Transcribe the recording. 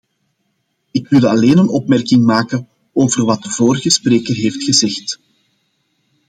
Ik wil alleen een opmerking maken over wat de vorige spreker heeft gezegd.